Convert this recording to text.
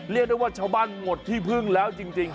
เรียกได้ว่าชาวบ้านหมดที่พึ่งแล้วจริง